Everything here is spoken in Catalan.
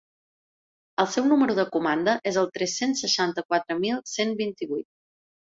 El seu número de comanda és el tres-cents seixanta-quatre mil cent vint-i-vuit.